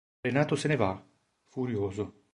Renato se va, furioso.